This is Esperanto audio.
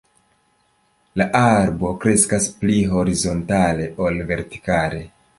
La arbo kreskas pli horizontale ol vertikale.